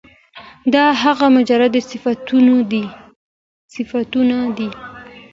دا هغه مجرد صفتونه دي